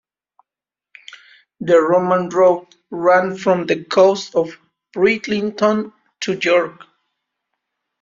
The Roman road ran from the coast at Bridlington to York.